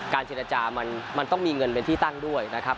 เจรจามันต้องมีเงินเป็นที่ตั้งด้วยนะครับ